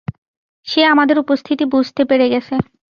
সে আমাদের উপস্থিতি বুঝতে পেরে গেছে।